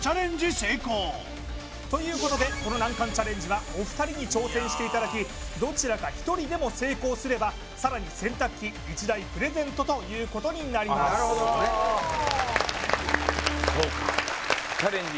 成功ということでこの難関チャレンジはお二人に挑戦していただきどちらか１人でも成功すればさらに洗濯機１台プレゼントということになりますそうかチャレンジ